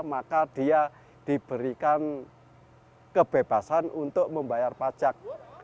maka dia diberikan kebebasan untuk membayar pajak